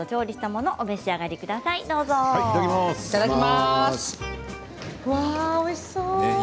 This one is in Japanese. うわあ、おいしそう！